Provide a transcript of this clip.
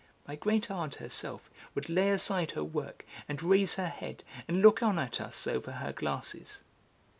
My great aunt herself would lay aside her work, and raise her head and look on at us over her glasses.